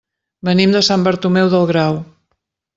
Venim de Sant Bartomeu del Grau.